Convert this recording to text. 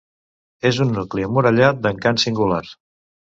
És un nucli emmurallat d'encant singular.